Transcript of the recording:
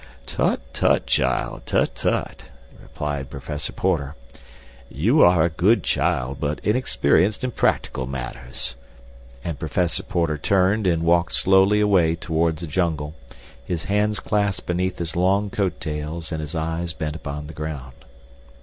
"Tut, tut, child, tut, tut!" replied Professor Porter. "You are a good child, but inexperienced in practical matters," and Professor Porter turned and walked slowly away toward the jungle, his hands clasped beneath his long coat tails and his eyes bent upon the ground.